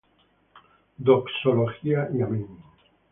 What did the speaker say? Doxología y Amén